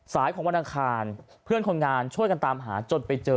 ของวันอังคารเพื่อนคนงานช่วยกันตามหาจนไปเจอ